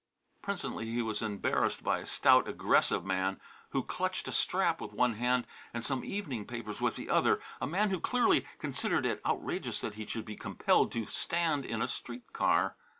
Presently he was embarrassed by a stout, aggressive man who clutched a strap with one hand and some evening papers with the other, a man who clearly considered it outrageous that he should be compelled to stand in a street car.